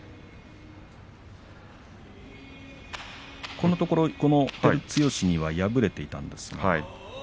このところ照強は敗れていたんですが。